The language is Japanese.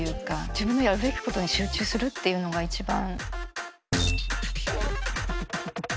自分のやるべきことに集中するっていうのが一番。